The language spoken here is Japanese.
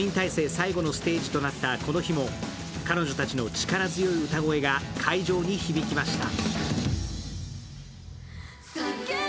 最後のステージとなったこの日も、彼女たちの力強い歌声が会場に響きました。